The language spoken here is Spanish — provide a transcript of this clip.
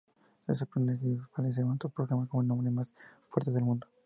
Es el personaje principal y se autoproclama como el hombre más fuerte del mundo.